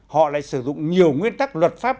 họ lại sử dụng nhiều nguyên tắc luật pháp